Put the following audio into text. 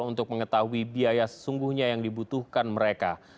untuk mengetahui biaya sesungguhnya yang dibutuhkan mereka